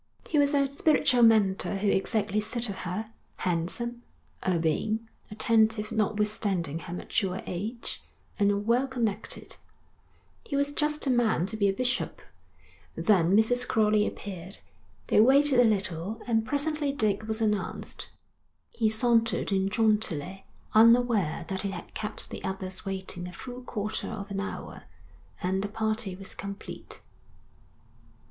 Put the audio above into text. He was a spiritual mentor who exactly suited her, handsome, urbane, attentive notwithstanding her mature age, and well connected. He was just the man to be a bishop. Then Mrs. Crowley appeared. They waited a little, and presently Dick was announced. He sauntered in jauntily, unaware that he had kept the others waiting a full quarter of an hour; and the party was complete.